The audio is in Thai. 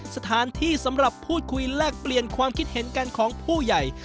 สถานที่สำหรับพูดคุยแลกเปลี่ยนความคิดเห็นกันของผู้ใหญ่